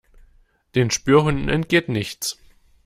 Den Spürhunden entgeht nichts.